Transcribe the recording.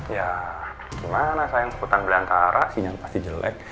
ya gimana sayang hutan belantara sinyal pasti jelek